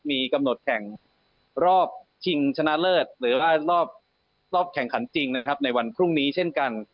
มีกำหนดแข่งรอบชิงชนะเลิศหรือว่ารอบแข่งขันจริงนะครับในวันพรุ่งนี้เช่นกัน